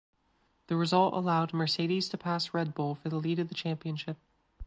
The result allowed Mercedes to pass Red Bull for the lead of the Championship.